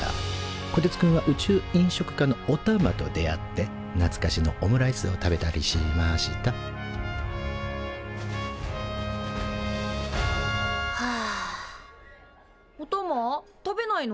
こてつくんは宇宙飲食科のおたまと出会ってなつかしのオムライスを食べたりしましたおたま食べないの？